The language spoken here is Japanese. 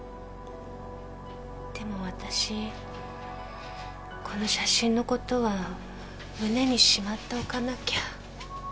でもわたしこの写真のことは胸にしまっておかなきゃ。